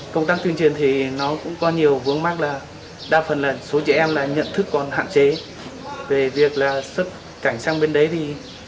công tác tuyên truyền thì nó cũng có nhiều vướng mắt là đa phần là số trẻ em là nhận thức còn hạn chế về việc là xuất cảnh sang bên đấy thì